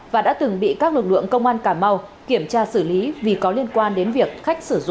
và đã từng bị các lực lượng công an cà mau kiểm tra xử lý vì có liên quan đến việc khách sử dụng